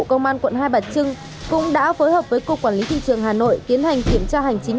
công an quận hai bà trưng cũng đã phối hợp với cục quản lý thị trường hà nội tiến hành kiểm tra hành chính